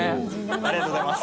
ありがとうございます。